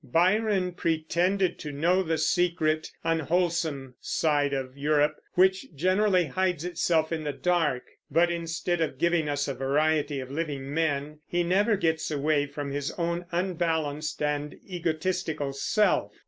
Byron pretended to know the secret, unwholesome side of Europe, which generally hides itself in the dark; but instead of giving us a variety of living men, he never gets away from his own unbalanced and egotistical self.